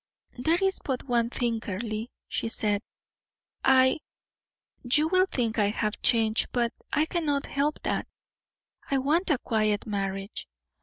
"There is but one thing, Earle," she said; "I you will think I have changed, but I cannot help that I want a quiet marriage.